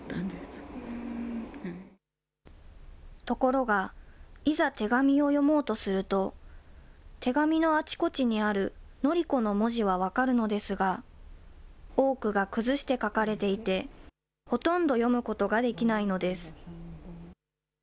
ところが、いざ手紙を読もうとすると、手紙のあちこちにある紀子の文字は分かるのですが、多くが崩して書かれていて、ほとんど読むことができないのです。